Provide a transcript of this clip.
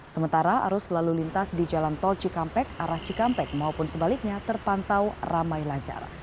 sementara arus lalu lintas di jalan tol cikampek arah cikampek maupun sebaliknya terpantau ramai lancar